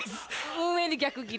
運営に逆ギレ。